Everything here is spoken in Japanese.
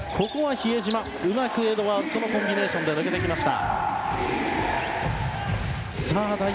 比江島うまくエドワーズとのコンビネーションで抜けていきました。